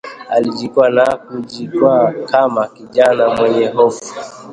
Alijikwaa na kujikwaa kama kijana mwenye hofu